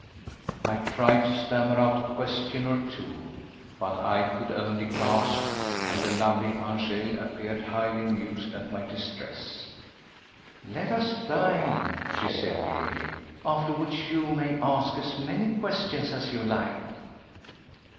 I tried to stammer out a question or two, but I could only gasp, and the lovely Angèle appeared highly amused at my distress. "Let us dine," she said gaily, "after which you may ask as many questions as you like."